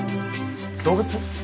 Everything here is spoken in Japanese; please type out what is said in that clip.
動物？